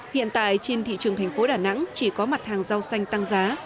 hiện tại trên thị trường thành phố đà nẵng chỉ có mặt hàng rau xanh tăng giá